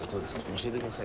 教えてください。